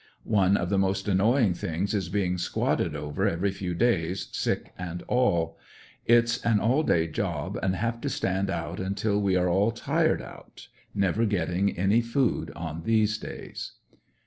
One of the most annoying things is being squadded over every few days, sick and all. It's an all day job, and have to stand out until we are all tired out, never getting any food on these days.